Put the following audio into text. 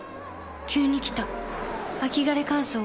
急に来た秋枯れ乾燥。